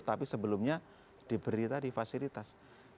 tapi sebelumnya diberi tadi fasilitas